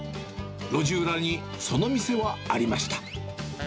路地裏にその店はありました。